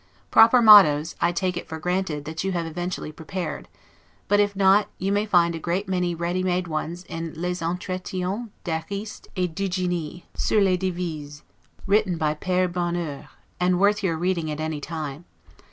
Proper mottos, I take it for granted, that you have eventually prepared; but if not, you may find a great many ready made ones in 'Les Entretiens d'Ariste et d'Eugene, sur les Devises', written by Pere Bouhours, and worth your reading at any time.